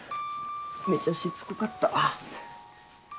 めちゃしつこかった